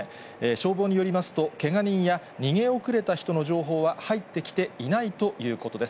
消防によりますと、けが人や逃げ遅れた人の情報は入ってきていないということです。